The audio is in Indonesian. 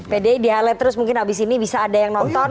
pdi di highlight terus mungkin abis ini bisa ada yang nonton